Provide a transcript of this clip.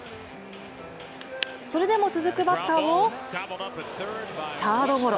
それでも続くバッターをサードゴロ。